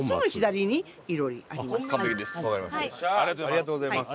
ありがとうございます。